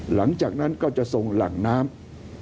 หลังจากนั้นก็จะทรงหลั่งน้ำ